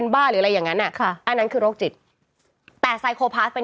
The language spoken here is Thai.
บ้าหรืออะไรอย่างนั้นอ่ะค่ะอันนั้นคือโรคจิตแต่ไซโคพาสเป็น